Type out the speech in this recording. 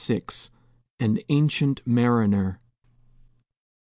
AN ANCIENT MARINER.